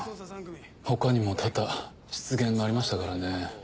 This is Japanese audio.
他にも多々失言がありましたからね。